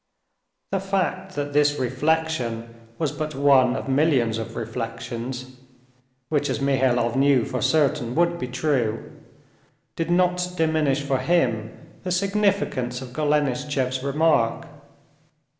The fact that this reflection was but one of millions of reflections, which as Mihailov knew for certain would be true, did not diminish for him the significance of Golenishtchev's remark.